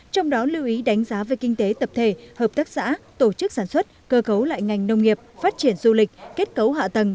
trong đó lưu ý đánh giá về kinh tế tập thể hợp tác xã tổ chức sản xuất cơ cấu lại ngành nông nghiệp phát triển du lịch kết cấu hạ tầng